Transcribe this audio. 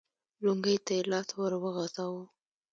لونګۍ ته يې لاس ور وغځاوه.